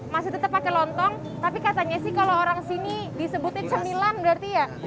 masih tetap pakai lontong tapi katanya sih kalau orang sini disebutnya cemilan berarti ya